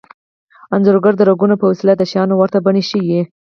انځورګر د رنګونو په وسیله د شیانو ورته بڼې ښيي